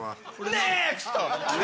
ネクスト。